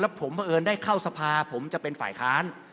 แล้วผมเผอิญได้เข้าสภาผมจะเป็นฝ่ายค้าน